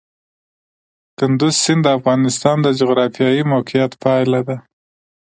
کندز سیند د افغانستان د جغرافیایي موقیعت پایله ده.